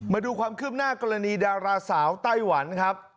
มาดูความคืบหน้ากรณีดาราสาวไต้หวันครับ